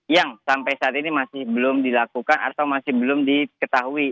yang sampai saat ini masih belum dilakukan atau masih belum diketahui